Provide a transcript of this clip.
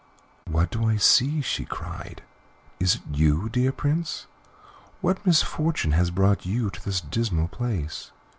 "What do I see?" she cried. "Is it you, dear Prince? What misfortune has brought you to this dismal place?"